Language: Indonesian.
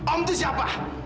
om itu siapa